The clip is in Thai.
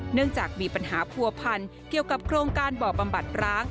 เนื่องจากมีปัญหาผัวพันเกี่ยวกับโครงการบ่อบำบัดร้าง